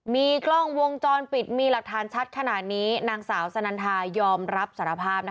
มีกล้องวงจรปิดมีหลักฐานชัดขนาดนี้นางสาวสนันทายอมรับสารภาพ